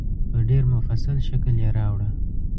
په ډېر مفصل شکل یې راوړه.